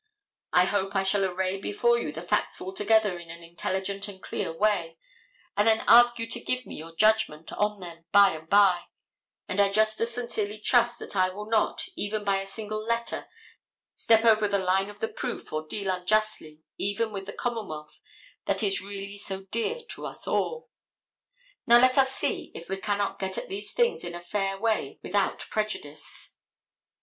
I hope I shall array before you the facts altogether in an intelligent and clear way, and then ask you to give me your judgment on them by and by, and I just as sincerely trust that I will not, even by a single letter, step over the line of the proof or deal unjustly, even with the commonwealth that is really so dear to us all. Now, let us see if we cannot get at these things in a fair way without prejudice.